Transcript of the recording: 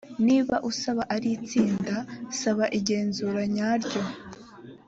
niba usaba ari itsinda saba igenzura nyaryo